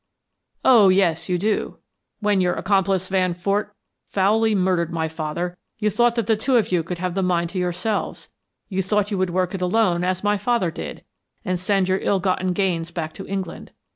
"Oh, yes, you do. When your accomplice Van Fort foully murdered my father, you thought that the two of you would have the mine to yourselves; you thought you would work it alone as my father did, and send your ill gotten gains back to England.